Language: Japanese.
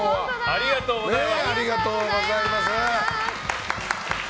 ありがとうございます。